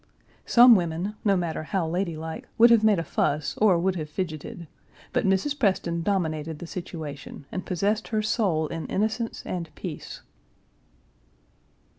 Some women, no matter how ladylike, would have made a fuss or would have fidgeted, but Mrs. Preston dominated the situation and possessed her soul in innocence and peace.